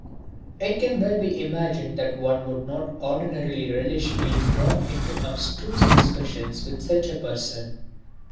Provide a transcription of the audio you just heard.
It can well be imagined that one would not ordinarily relish being drawn into abstruse discussions with such a person.